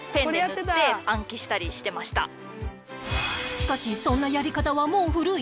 しかしそんなやり方はもう古い！？